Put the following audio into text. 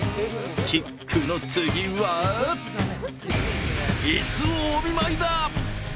キックの次は、いすをお見舞いだ。